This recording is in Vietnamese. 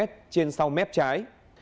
trên sau mép trái